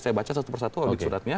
saya baca satu persatu abik suratnya